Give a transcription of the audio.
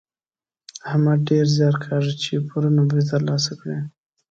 احمد ډېر زیار کاږي چې پوره نومرې تر لاسه کړي.